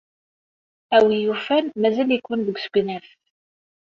A win yufan, mazal-iken deg usegnaf.